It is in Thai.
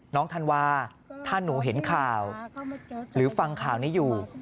ธันวาถ้าหนูเห็นข่าวหรือฟังข่าวนี้อยู่